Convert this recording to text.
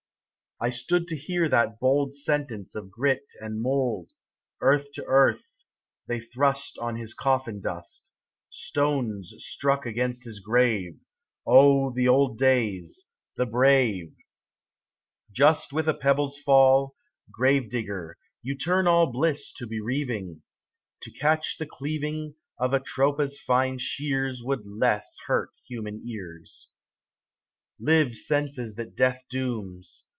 1 STOOD to hear that bold Sentence of grit and mould. Earth to earth ; they thrust On his coffin dust ; Stones struck against his grave : O the old days, the brave I Just with a pebble's fall. Grave digger, you turn all Bliss to bereaving ; To catch the cleaving Of Atropa's fine shears Would less hurt human ears. 25 Live senses that death dooms!